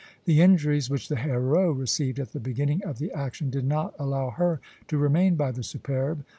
"The injuries which the 'Héros' received at the beginning of the action did not allow her to remain by the 'Superbe.'